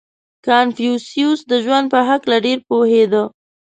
• کنفوسیوس د ژوند په هکله ډېر پوهېده.